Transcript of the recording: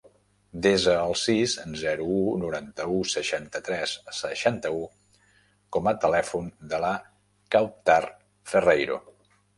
Desa el sis, zero, u, noranta-u, seixanta-tres, seixanta-u com a telèfon de la Kawtar Ferreiro.